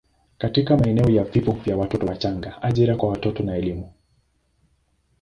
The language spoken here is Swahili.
katika maeneo ya vifo vya watoto wachanga, ajira kwa watoto na elimu.